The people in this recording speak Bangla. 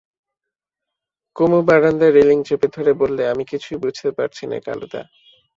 কুমু বারান্দায় রেলিং চেপে ধরে বললে, আমি কিছুই বুঝতে পারছি নে কালুদা।